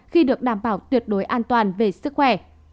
khi được đảm bảo tuyệt đối an toàn về sức khỏe